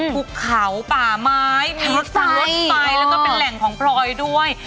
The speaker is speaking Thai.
ภูเขาป่าไม้มีรถไฟแล้วก็เป็นแหล่งของพลอยด้วย